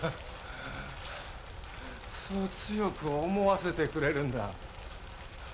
そう強く思わせてくれるんだ。